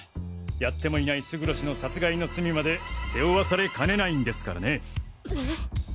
やってもいない勝呂氏の殺害の罪まで背負わされかねないんですからね。